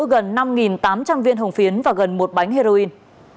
gần năm tám trăm linh viên hồng phiến và gần một bánh heroin